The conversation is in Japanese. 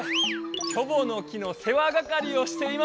キョボの木のせ話がかりをしています。